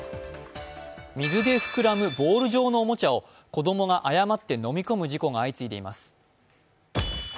水で膨らむボール状のおもちゃを子供が誤って飲み込む事故が相次いでいます。